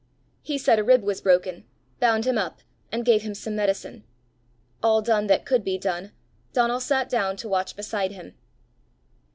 He said a rib was broken, bound him up, and gave him some medicine. All done that could be done, Donal sat down to watch beside him.